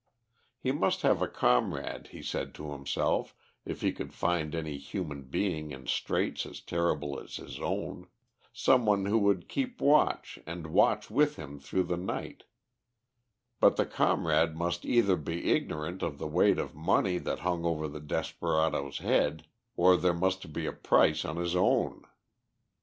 He must have a comrade, he said to himself, if he could find any human being in straits as terrible as his own, some one who would keep watch and watch with him through the night; but the comrade must either be ignorant of the weight of money that hung over the desperado's head, or there must be a price on his own.